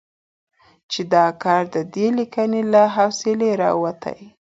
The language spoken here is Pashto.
چې دا کار د دې ليکنې له حوصلې راوتې